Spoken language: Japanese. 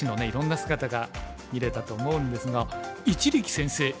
いろんな姿が見れたと思うんですが一力先生